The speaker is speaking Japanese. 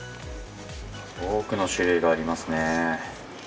多くの種類がありますね。